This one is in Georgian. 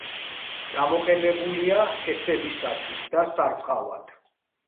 გამოყენებულია ჰესებისათვის და სარწყავად.